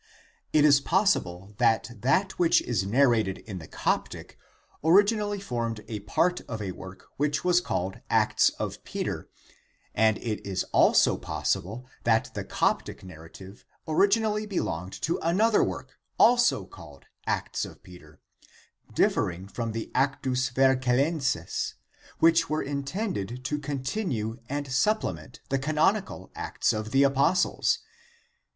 It is possible that that which is narrated in the Coptic originally formed a part of a work which was called "Acts of Peter," and it is also possible that the Coptic narrative originally belonged to another work also called " Acts of Peter," differing from the Actus Vercellenses, which were intended to continue and supplement the canon ical Acts of the Apostles.